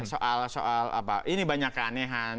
soal soal apa ini banyak keanehan